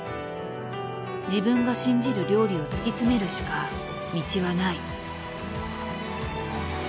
自分が信じる料理を突き詰めるしか道はない。